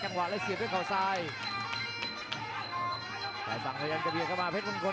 จังหวาดึงซ้ายตายังดีอยู่ครับเพชรมงคล